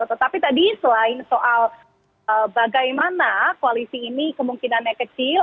tetapi tadi selain soal bagaimana koalisi ini kemungkinannya kecil